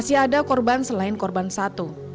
saya yakin ada korban selain korban satu